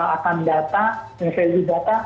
akan data mengeveli data